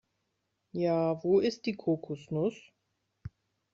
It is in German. Ja, wo ist die Kokosnuss?